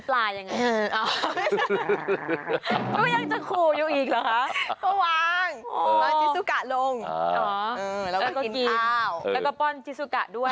แล้วก็ป้อนจิซุกะด้วย